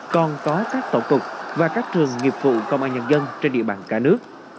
còn có các tổ chức và các trường nghiệp vụ công an nhân dân trên địa bàn cả nước